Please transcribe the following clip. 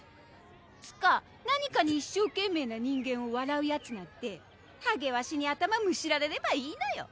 つか何かに一生懸命な人間を笑うヤツなんてハゲワシに頭むしられればいいのよ。